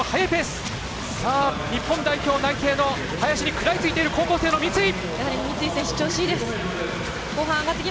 日本代表内定の林に食らいついている高校生の三井！